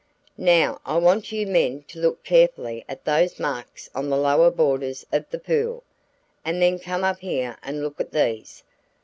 "Now I want you men to look carefully at those marks on the lower borders of the pool, and then come up here and look at these.